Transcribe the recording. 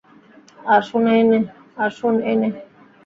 আর শোন এই নে।